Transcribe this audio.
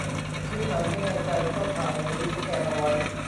ชิ้นไหนไม่แน่ใจก็ถ่ายหรือสแกนเอาไว้